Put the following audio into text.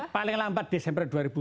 paling lambat desember dua ribu dua puluh